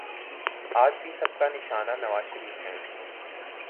آج بھی سب کا نشانہ نوازشریف ہیں۔